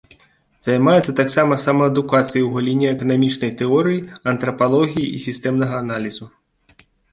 Займаецца таксама самаадукацыяй у галіне эканамічнай тэорыі, антрапалогіі і сістэмнага аналізу.